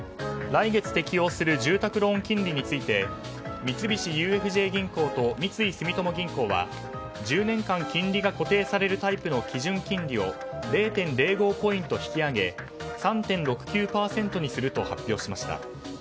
来月適用する住宅ローン金利について三菱ＵＦＪ銀行と三井住友銀行は１０年間、金利が固定されるタイプの基準金利を０．０５ポイント引き上げ３．６９％にすると発表しました。